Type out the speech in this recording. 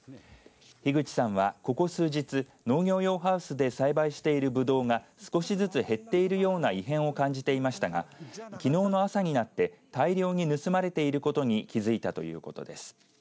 樋口さんは、ここ数日農業用ハウスで栽培しているぶどうが少しずつ減っているような異変を感じていましたがきのうの朝になって大量に盗まれていることに気づいたということです。